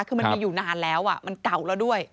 คือมันมีอยู่นานแล้วมันเก่าแล้วด้วย